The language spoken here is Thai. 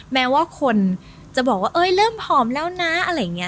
แม้ว่าคนจะบอกว่าเอ้ยเริ่มหอมแล้วนะอะไรอย่างนี้